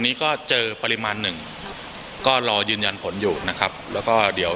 นี้ก็เจอปริมาณหนึ่งก็รอยืนยันผลอยู่นะครับแล้วก็เดี๋ยว